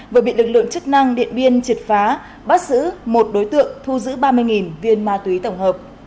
vừa bị lực lượng chức năng điện biên triệt phá bắt giữ một đối tượng thu giữ ba mươi viên ma túy tổng hợp